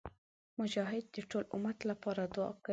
مجاهد د ټول امت لپاره دعا کوي.